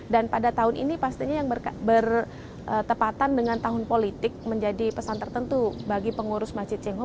dan pada tahun ini pastinya yang bertepatan dengan tahun politik menjadi pesan tertentu bagi pengurus masjid cengho